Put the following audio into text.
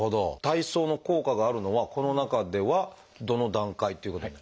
体操の効果があるのはこの中ではどの段階ということに？